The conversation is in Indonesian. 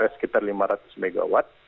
sekitar lima ratus mw